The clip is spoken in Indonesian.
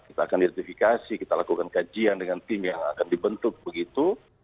kita akan identifikasi kita lakukan kajian dengan tim yang akan dibentuk begitu